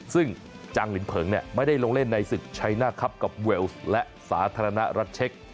ซึ่งจังลินเผิงไม่ได้ลงเล่นในศึกชัยหน้าครับกับเวลส์และสาธารณรัฐเช็ค